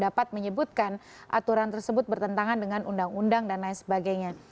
dapat menyebutkan aturan tersebut bertentangan dengan undang undang dan lain sebagainya